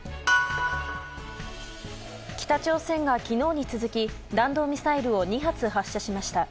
北朝鮮が昨日に続き弾道ミサイルを２発発射しました。